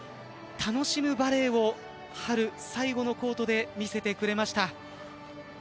楽しむバレーを春、最後のコートで見せてくれました。